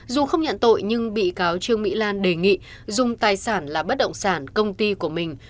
dù không nhận tội nhưng bị cáo trương mỹ lan đề nghị dùng tài sản là bất động sản công ty của mình